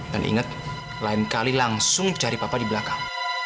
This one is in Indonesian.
dan inget lain kali langsung cari papa di belakang